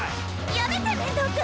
やめて面堂君！